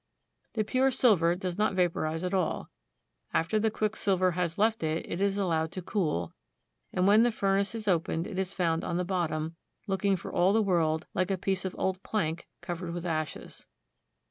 The pure silver does not vaporize at all. After the quicksilver has left it, it is allowed to cool ; and when the furnace is opened, it is found on the bottom, looking for all the world like a piece of old plank covered with ashes.